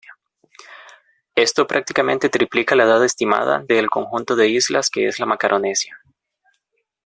Esto prácticamente triplica la edad estimada del conjunto de islas que es la Macaronesia.